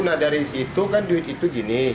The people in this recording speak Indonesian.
nah dari situ kan duit itu gini